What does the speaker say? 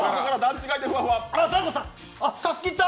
あっ、差し切った！